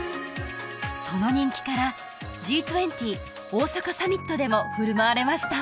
その人気からＧ２０大阪サミットでも振る舞われました